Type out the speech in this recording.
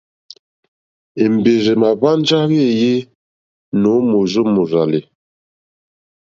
Èmbèrzà èmà hwánjá wéèyé nǒ mòrzó mòrzàlì.